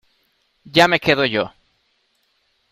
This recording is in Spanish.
ya me quedo yo.